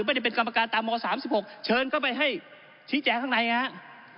ไม่ได้เป็นกรรมการตามม๓๖เชิญเข้าไปให้ชี้แจงข้างในนะครับ